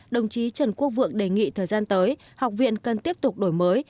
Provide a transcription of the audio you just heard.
đồng chí trần quốc vượng đề nghị thời gian tới học viện cần tiếp tục đổi mới